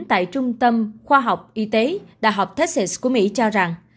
tại trung tâm khoa học y tế đh texas của mỹ cho rằng